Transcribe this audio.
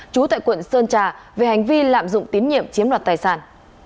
trú tại quận sơn trà về hành vi lạm dụng tín nhiệm chiếm đoạt tài sản